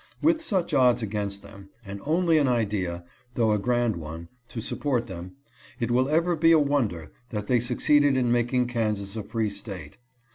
With such odds against them, and only an idea — though a grand one — to support them, it will ever be a wonder that they succeeded in making Kansas a free State.